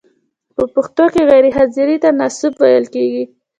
په پښتو کې غیر حاضر ته ناسوب ویل کیږی.